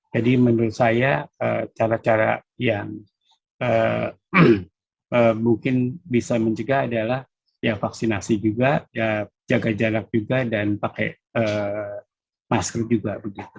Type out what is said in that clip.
jadi menurut saya cara cara yang mungkin bisa mencegah adalah vaksinasi juga jaga jarak juga dan pakai masker juga